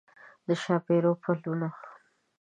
د ښاپیریو پلونه